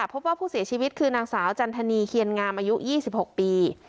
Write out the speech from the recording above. พบว่าผู้เสียชีวิตคือนางสาวจันทนีเคียนงามอายุ๒๖ปี